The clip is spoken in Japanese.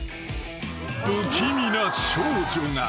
［不気味な少女が］